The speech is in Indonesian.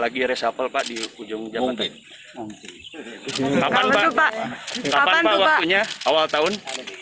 kapan pak waktunya awal tahun